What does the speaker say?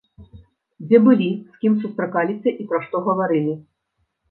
Дзе былі, з кім сустракаліся і пра што гаварылі?